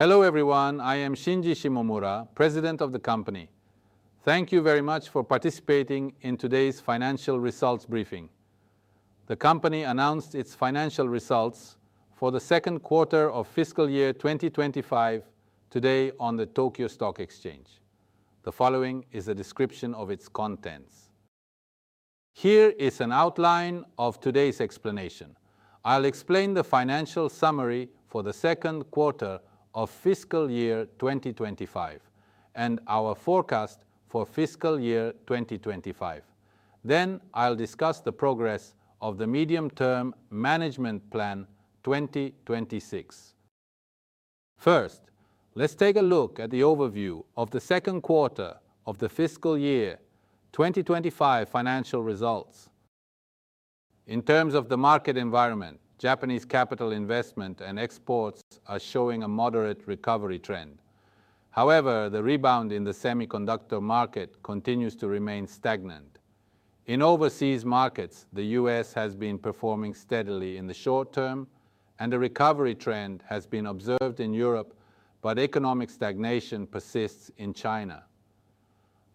Hello everyone, I am Shinji Shimomura, President of the company. Thank you very much for participating in today's financial results briefing. The company announced its financial results for the second quarter of fiscal year 2025 today on the Tokyo Stock Exchange. The following is a description of its contents. Here is an outline of today's explanation. I'll explain the financial summary for the second quarter of fiscal year 2025 and our forecast for fiscal year 2025. Next, I'll discuss the progress of the Medium-Term Management Plan 2026. First, let's take a look at the overview of the second quarter of the fiscal year 2025 financial results. In terms of the market environment, Japanese capital investment and exports are showing a moderate recovery trend. However, the rebound in the semiconductor market continues to remain stagnant. In overseas markets, the U.S. has been performing steadily in the short term, and a recovery trend has been observed in Europe, but economic stagnation persists in China.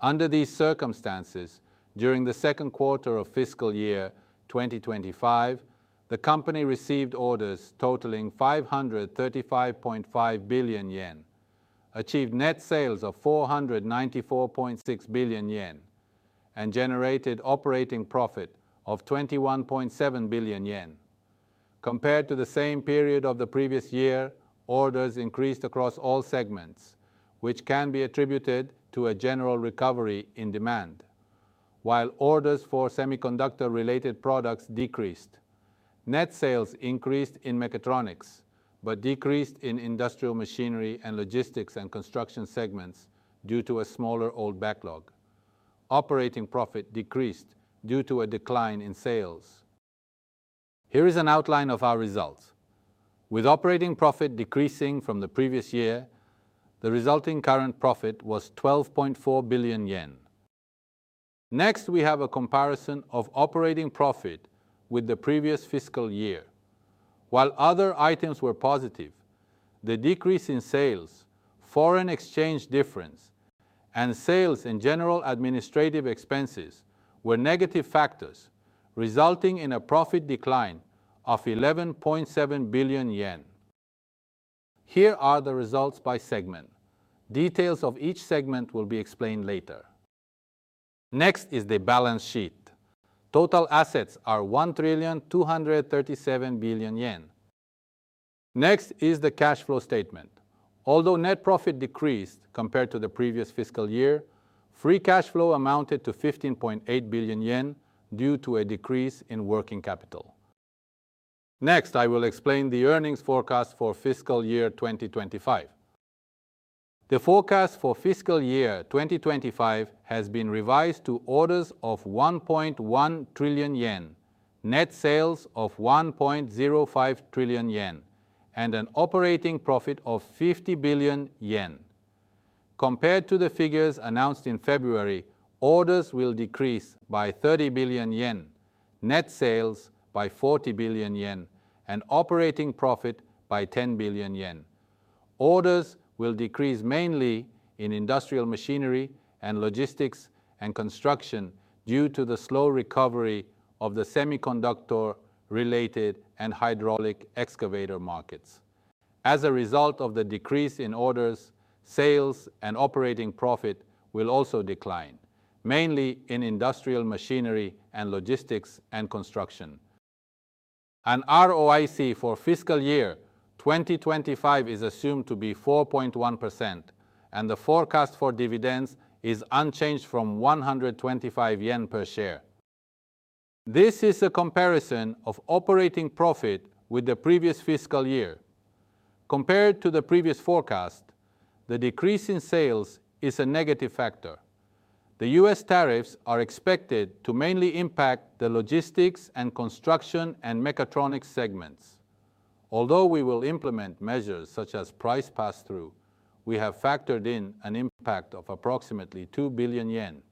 Under these circumstances, during the second quarter of fiscal year 2025, the company received orders totaling 535.5 billion yen, achieved net sales of 494.6 billion yen, and generated operating profit of 21.7 billion yen. Compared to the same period of the previous year, orders increased across all segments, which can be attributed to a general recovery in demand. While orders for semiconductor-related products decreased, net sales increased in Mechatronics but decreased in Industrial Machinery and Logistics and Construction segments due to a smaller old backlog. Operating profit decreased due to a decline in sales. Here is an outline of our results. With operating profit decreasing from the previous year, the resulting current profit was 12.4 billion yen. Next, we have a comparison of operating profit with the previous fiscal year. While other items were positive, the decrease in sales, foreign exchange difference, and sales in general administrative expenses were negative factors, resulting in a profit decline of 11.7 billion yen. Here are the results by segment. Details of each segment will be explained later. Next is the balance sheet. Total assets are 1,237.0 billion yen. Next is the cash flow statement. Although net profit decreased compared to the previous fiscal year, free cash flow amounted to 15.8 billion yen due to a decrease in working capital. Next, I will explain the earnings forecast for fiscal year 2025. The forecast for fiscal year 2025 has been revised to orders of 1.1 trillion yen, net sales of 1.05 trillion yen, and an operating profit of 50 billion yen. Compared to the figures announced in February, orders will decrease by 30 billion yen, net sales by 40 billion yen, and operating profit by 10 billion yen. Orders will decrease mainly in Industrial Machinery and Logistics and Construction due to the slow recovery of the semiconductor-related and hydraulic excavator markets. As a result of the decrease in orders, sales and operating profit will also decline, mainly in Industrial Machinery and Logistics and Construction. An ROIC for fiscal year 2025 is assumed to be 4.1%, and the forecast for dividends is unchanged from 125 yen per share. This is a comparison of operating profit with the previous fiscal year. Compared to the previous forecast, the decrease in sales is a negative factor. The U.S. tariffs are expected to mainly impact the Logistics and Construction and Mechatronics segments. Although we will implement measures such as price pass-through, we have factored in an impact of approximately 2 billion yen.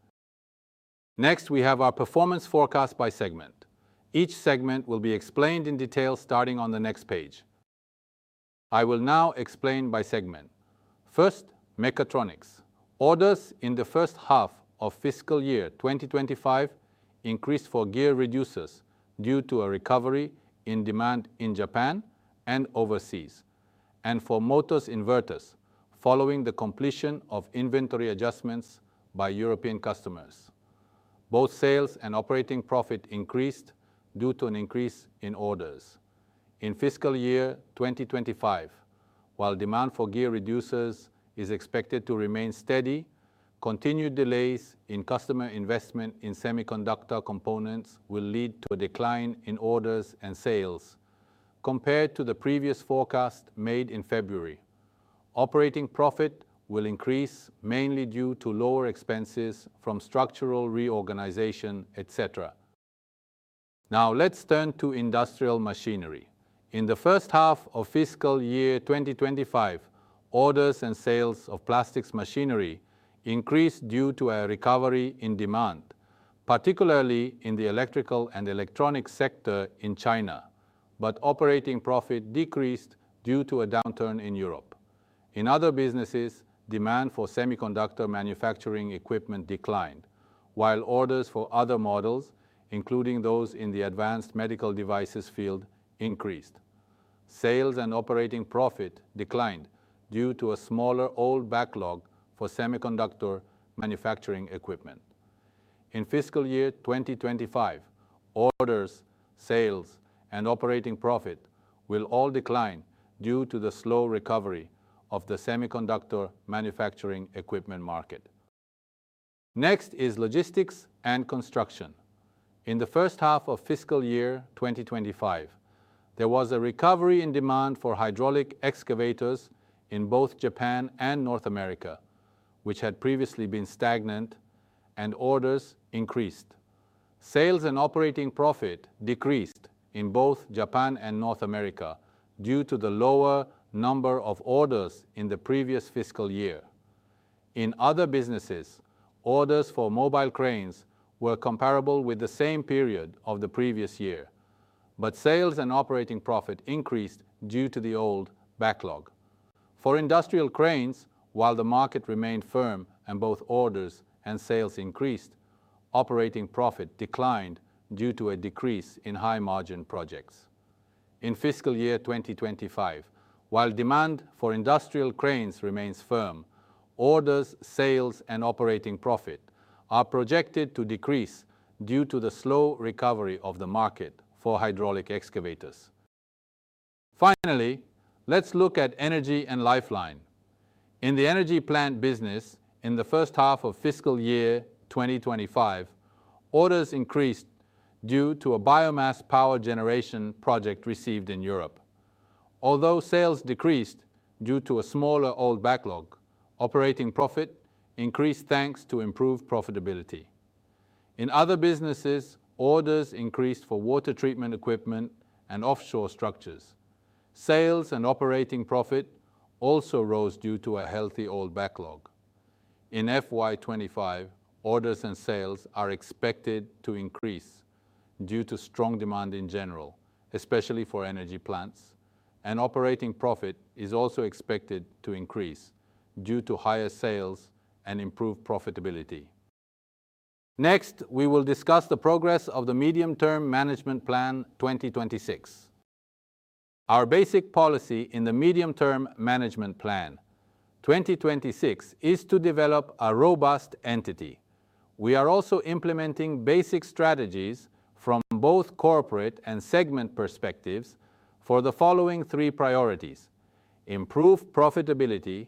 Next, we have our performance forecast by segment. Each segment will be explained in detail starting on the next page. I will now explain by segment. First, Mechatronics. Orders in the first half of fiscal year 2025 increased for gear reducers due to a recovery in demand in Japan and overseas, and for motors inverters following the completion of inventory adjustments by European customers. Both sales and operating profit increased due to an increase in orders. In fiscal year 2025, while demand for gear reducers is expected to remain steady, continued delays in customer investment in semiconductor components will lead to a decline in orders and sales, compared to the previous forecast made in February. Operating profit will increase mainly due to lower expenses from structural reorganization, etc. Now, let's turn to Industrial Machinery. In the first half of fiscal year 2025, orders and sales of plastics machinery increased due to a recovery in demand, particularly in the electrical and electronics sector in China, but operating profit decreased due to a downturn in Europe. In other businesses, demand for semiconductor manufacturing equipment declined, while orders for other models, including those in the advanced medical devices field, increased. Sales and operating profit declined due to a smaller old backlog for semiconductor manufacturing equipment. In fiscal year 2025, orders, sales, and operating profit will all decline due to the slow recovery of the semiconductor manufacturing equipment market. Next is Logistics and Construction. In the first half of fiscal year 2025, there was a recovery in demand for hydraulic excavators in both Japan and North America, which had previously been stagnant, and orders increased. Sales and operating profit decreased in both Japan and North America due to the lower number of orders in the previous fiscal year. In other businesses, orders for mobile cranes were comparable with the same period of the previous year, but sales and operating profit increased due to the old backlog. For industrial cranes, while the market remained firm and both orders and sales increased, operating profit declined due to a decrease in high-margin projects. In fiscal year 2025, while demand for industrial cranes remains firm, orders, sales, and operating profit are projected to decrease due to the slow recovery of the market for hydraulic excavators. Finally, let's look at Energy and Lifelines. In the energy plant business, in the first half of fiscal year 2025, orders increased due to a biomass power generation project received in Europe. Although sales decreased due to a smaller old backlog, operating profit increased thanks to improved profitability. In other businesses, orders increased for water treatment equipment and offshore structures. Sales and operating profit also rose due to a healthy old backlog. In FY 2025, orders and sales are expected to increase due to strong demand in general, especially for energy plants, and operating profit is also expected to increase due to higher sales and improved profitability. Next, we will discuss the progress of the Medium-Term Management Plan 2026. Our basic policy in the Medium-Term Management Plan 2026 is to develop a robust entity. We are also implementing basic strategies from both corporate and segment perspectives for the following three priorities: improve profitability,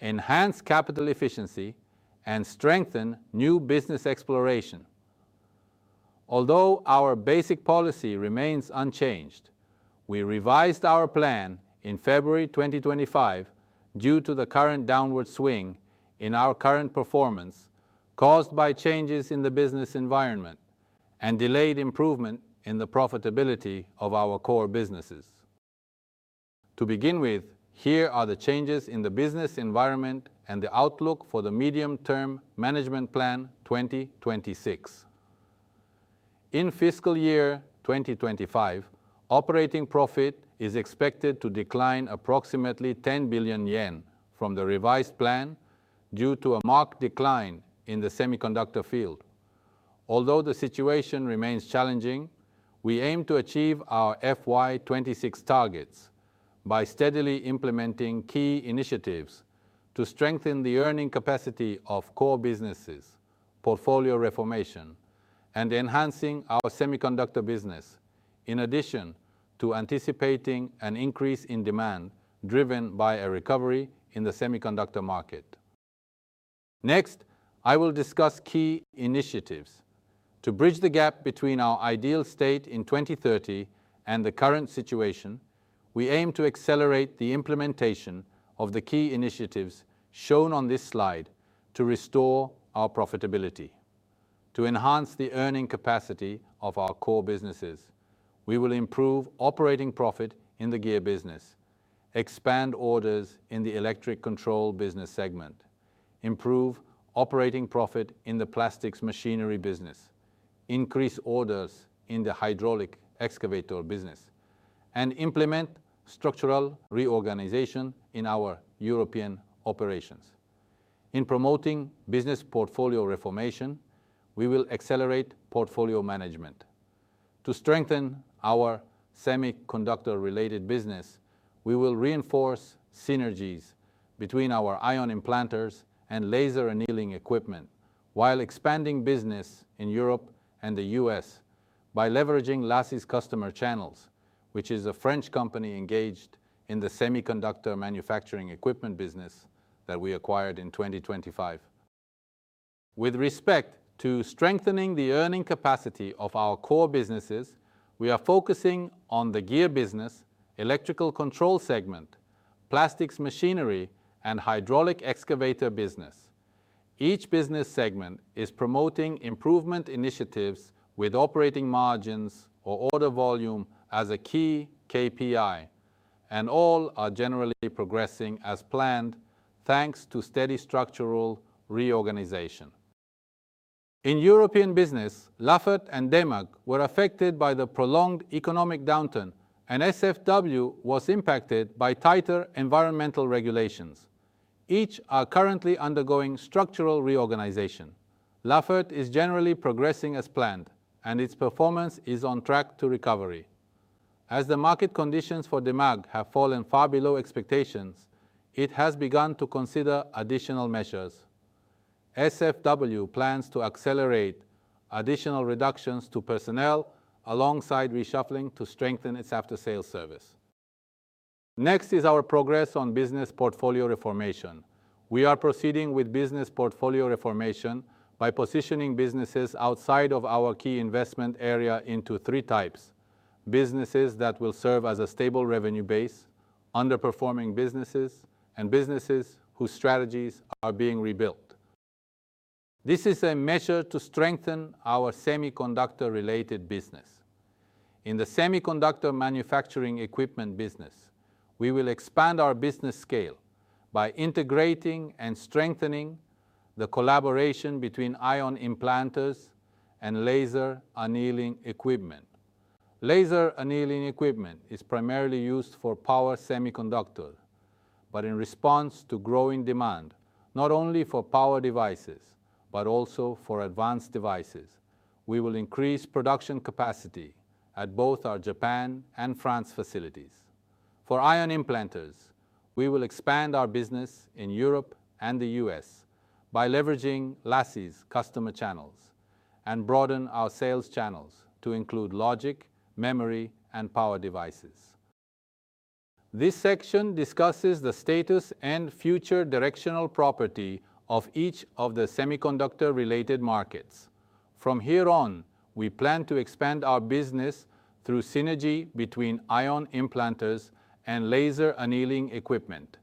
enhance capital efficiency, and strengthen new business exploration. Although our basic policy remains unchanged, we revised our plan in February 2025 due to the current downward swing in our current performance caused by changes in the business environment and delayed improvement in the profitability of our core businesses. To begin with, here are the changes in the business environment and the outlook for the Medium-Term Management Plan 2026. In fiscal year 2025, operating profit is expected to decline approximately 10 billion yen from the revised plan due to a marked decline in the semiconductor field. Although the situation remains challenging, we aim to achieve our FY 2026 targets by steadily implementing key initiatives to strengthen the earning capacity of core businesses, business portfolio reformation, and enhancing our semiconductor-related business, in addition to anticipating an increase in demand driven by a recovery in the semiconductor market. Next, I will discuss key initiatives. To bridge the gap between our ideal state in 2030 and the current situation, we aim to accelerate the implementation of the key initiatives shown on this slide to restore our profitability. To enhance the earning capacity of our core businesses, we will improve operating profit in the gear business, expand orders in the electric control business segment, improve operating profit in the plastics machinery business, increase orders in the hydraulic excavator business, and implement structural reorganization in our European operations. In promoting business portfolio reformation, we will accelerate portfolio management. To strengthen our semiconductor-related business, we will reinforce synergies between our Ion Implanters and Laser Annealing Equipment, while expanding business in Europe and the U.S. by leveraging Lassie's customer channels, which is a French company engaged in the semiconductor manufacturing equipment business that we acquired in 2025. With respect to strengthening the earning capacity of our core businesses, we are focusing on the gear business, electrical control segment, plastics machinery, and hydraulic excavator business. Each business segment is promoting improvement initiatives with operating margins or order volume as a key KPI, and all are generally progressing as planned thanks to steady structural reorganization. In European business, Lafert and Demag were affected by the prolonged economic downturn, and SFW was impacted by tighter environmental regulations. Each are currently undergoing structural reorganization. Lafert is generally progressing as planned, and its performance is on track to recovery. As the market conditions for Demag have fallen far below expectations, it has begun to consider additional measures. SFW plans to accelerate additional reductions to personnel alongside reshuffling to strengthen its after-sales service. Next is our progress on business portfolio reformation. We are proceeding with business portfolio reformation by positioning businesses outside of our key investment area into three types: businesses that will serve as a stable revenue base, underperforming businesses, and businesses whose strategies are being rebuilt. This is a measure to strengthen our semiconductor-related business. In the semiconductor manufacturing equipment business, we will expand our business scale by integrating and strengthening the collaboration between Ion Implanters and Laser Annealing Equipment. Laser Annealing Equipment is primarily used for power semiconductors, but in response to growing demand, not only for power devices but also for advanced devices, we will increase production capacity at both our Japan and France facilities. For Ion Implanters, we will expand our business in Europe and the U.S. by leveraging Lassie's customer channels and broaden our sales channels to include logic, memory, and power devices. This section discusses the status and future directional property of each of the semiconductor-related markets. From here on, we plan to expand our business through synergy between Ion Implanters and Laser Annealing Equipment.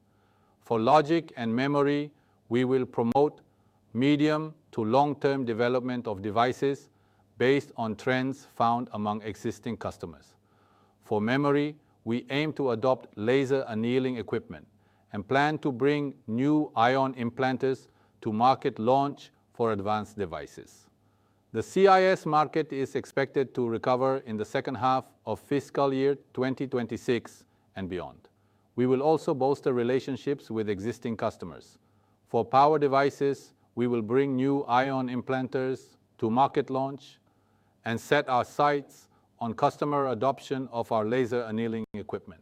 For logic and memory, we will promote medium to long-term development of devices based on trends found among existing customers. For memory, we aim to adopt Laser Annealing Equipment and plan to bring new Ion Implanters to market launch for advanced devices. The CIS market is expected to recover in the second half of fiscal year 2026 and beyond. We will also bolster relationships with existing customers. For power devices, we will bring new Ion Implanters to market launch and set our sights on customer adoption of our Laser Annealing Equipment.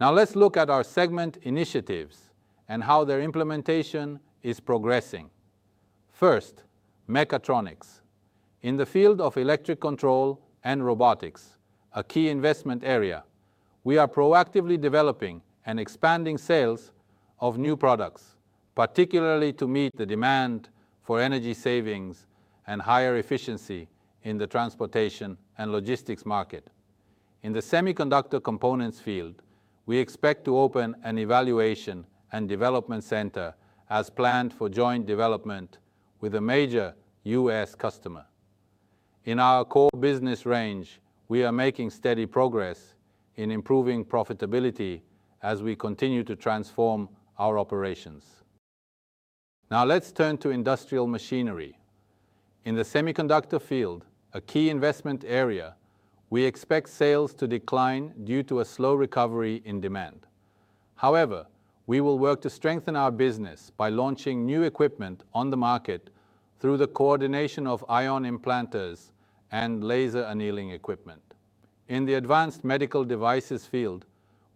Now, let's look at our segment initiatives and how their implementation is progressing. First, Mechatronics. In the field of electric control and robotics, a key investment area, we are proactively developing and expanding sales of new products, particularly to meet the demand for energy savings and higher efficiency in the transportation and logistics market. In the semiconductor components field, we expect to open an evaluation and development center as planned for joint development with a major U.S. customer. In our core business range, we are making steady progress in improving profitability as we continue to transform our operations. Now, let's turn to Industrial Machinery. In the semiconductor field, a key investment area, we expect sales to decline due to a slow recovery in demand. However, we will work to strengthen our business by launching new equipment on the market through the coordination of Ion Implanters and Laser Annealing Equipment. In the advanced medical devices field,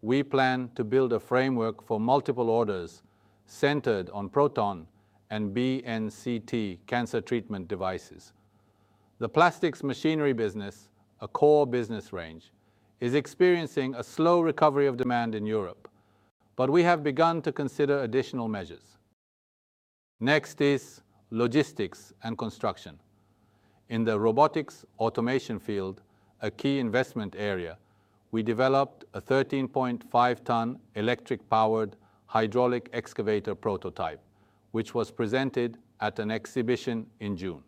we plan to build a framework for multiple orders centered on proton and BNCT cancer treatment devices. The plastics machinery business, a core business range, is experiencing a slow recovery of demand in Europe, but we have begun to consider additional measures. Next is Logistics and Construction. In the robotics automation field, a key investment area, we developed a 13.5-ton electric-powered hydraulic excavator prototype, which was presented at an exhibition in June.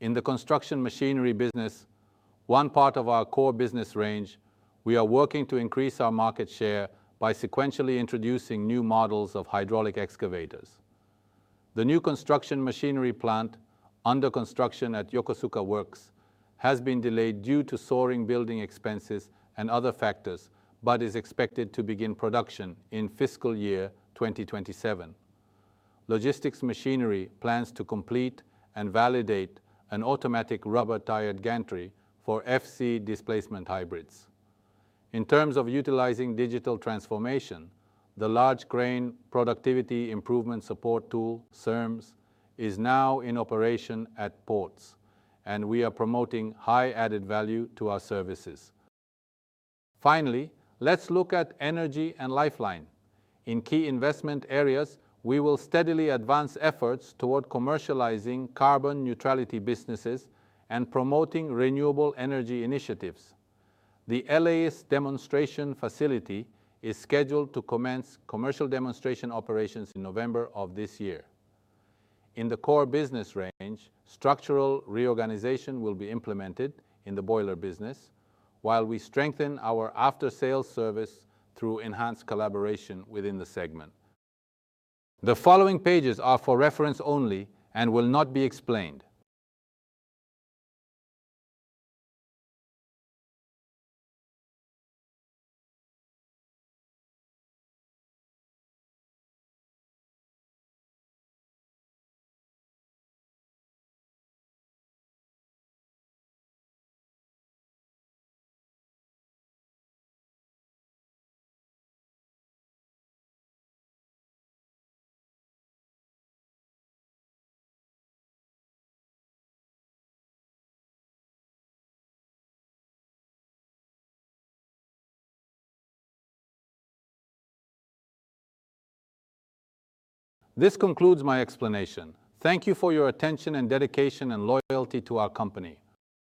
In the construction machinery business, one part of our core business range, we are working to increase our market share by sequentially introducing new models of hydraulic excavators. The new construction machinery plant under construction at Yokosuka Works has been delayed due to soaring building expenses and other factors, but is expected to begin production in fiscal year 2027. Logistics machinery plans to complete and validate an automatic rubber-tired gantry for FC displacement hybrids. In terms of utilizing digital transformation, the large crane productivity improvement support tool, CERMS, is now in operation at ports, and we are promoting high added value to our services. Finally, let's look at Energy and Lifelines. In key investment areas, we will steadily advance efforts toward commercializing carbon neutrality businesses and promoting renewable energy initiatives. The LAES demonstration facility is scheduled to commence commercial demonstration operations in November of this year. In the core business range, structural reorganization will be implemented in the boiler business, while we strengthen our after-sales service through enhanced collaboration within the segment. The following pages are for reference only and will not be explained. This concludes my explanation. Thank you for your attention and dedication and loyalty to our company.